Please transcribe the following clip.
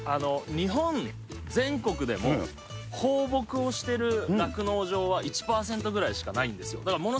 日本全国でも放牧をしている酪農場は１％ぐらいしかないんですよ。